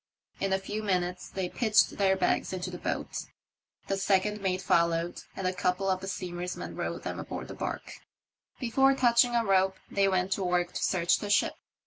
In a few minutes they pitched their bags into the boat, the second mate followed, and a couple of the steamer's men rowed them aboard the barque. Before touching a rope they went to work to search the ship.